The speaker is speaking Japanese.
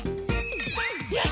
よし！